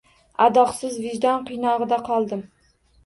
Adoqsiz vijdon qiynog`ida qoldim